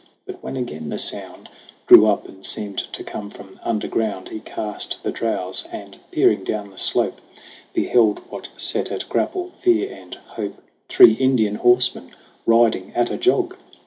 But when again the sound Grew up, and seemed to come from under ground, He cast the drowse, and peering down the slope, Beheld what set at grapple fear and hope Three Indian horsemen riding at a jog